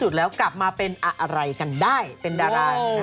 ช่วงหน้าคุณผู้ชม